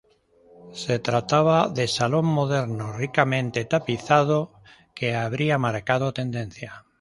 Se trataba de salón moderno ricamente tapizado, que habría marcado tendencia.